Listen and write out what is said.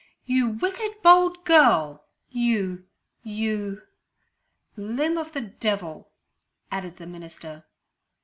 'You wicked, bold girl! You—you—' 'Limb of the devil' added the minister.